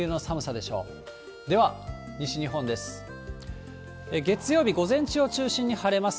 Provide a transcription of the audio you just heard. では西日本です。